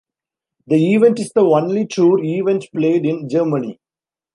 The event is the only Tour event played in Germany.